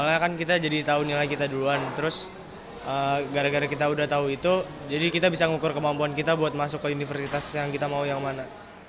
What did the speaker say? soalnya kan kita jadi tahu nilai kita duluan terus gara gara kita udah tahu itu jadi kita bisa ngukur kemampuan kita buat masuk ke universitas yang kita mau yang mana